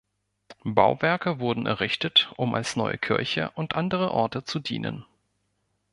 Bauwerke wurden errichtet, um als neue Kirche und andere Orte zu dienen.